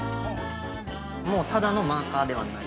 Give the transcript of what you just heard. ◆もう、ただのマーカーではない。